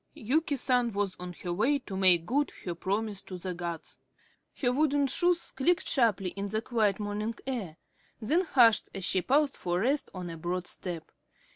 Yuki San was on her way to make good her promise to the gods. Her wooden shoes clicked sharply in the quiet morning air, then hushed as she paused for rest on a broad step.